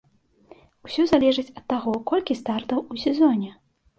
Усё залежыць ад таго, колькі стартаў у сезоне.